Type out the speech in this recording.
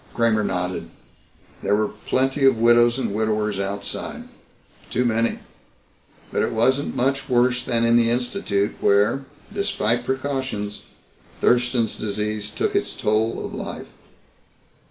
Kramer nodded. There were plenty of widows and widowers outside. Too many. But it wasn't much worse than in the Institute where, despite precautions, Thurston's disease took its toll of life.